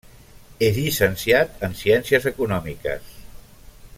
És llicenciat en ciències econòmiques.